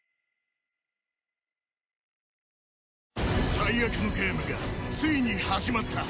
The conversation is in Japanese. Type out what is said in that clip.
最悪のゲームがついに始まった